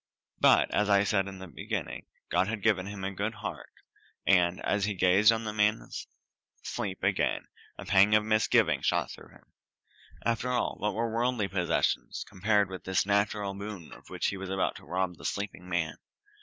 But, as I said at the beginning, God had given him a good heart, and, as he gazed on the man's sleep again, a pang of misgiving shot through him. After all, what were worldly possessions compared with this natural boon of which he was about to rob the sleeping man?